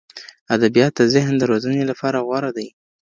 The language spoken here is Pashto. ادبیات د ذهن د روزنې لپاره غوره دي.